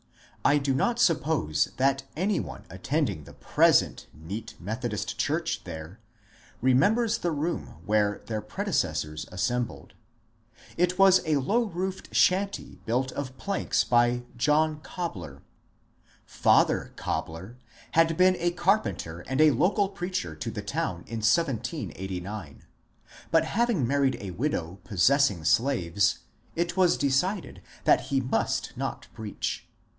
I do not suppose that any one attending the present neat Methodist church there remembers the room where their pre decessors assembled. It was a low roofed shanty built of planks by John Cobler. ^^ Father Cobler " had been a car penter and a local preacher to the town in 1789 ; but having married a widow possessing slaves, it was decided that he must not preach.